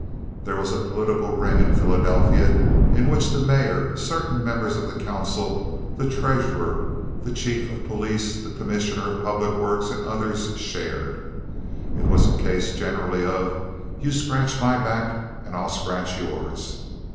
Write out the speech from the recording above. There was a political ring in Philadelphia in which the mayor, certain members of the council, the treasurer, the chief of police, the commissioner of public works, and others shared. It was a case generally of "You scratch my back and I'll scratch yours."